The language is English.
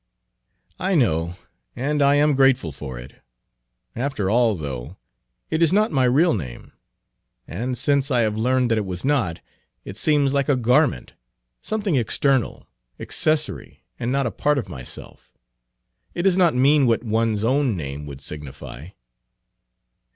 "I know and I am grateful for it. After all, though, it is not my real name; and since I have learned that it was not, it seems like a garment something external, accessory, and Page 29 not a part of myself. It does not mean what one's own name would signify."